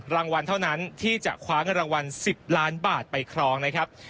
รางวัลเท่านั้นที่จะคว้าเงินรางวัล๑๐ล้านบาทไปครองนะครับ